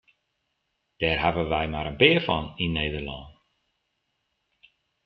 Dêr hawwe wy mar in pear fan yn Nederlân.